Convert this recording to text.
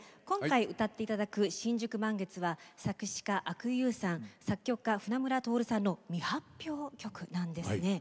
今回歌っていただく「新宿満月」は作詞家・阿久悠さん作曲家・船村徹さんの未発表曲なんです。